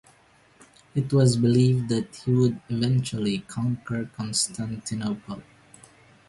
It was believed that he would eventually conquer Constantinople.